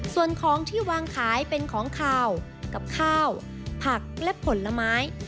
ส่วนของที่วางขายเป็นของขาวกับข้าวผักและผลไม้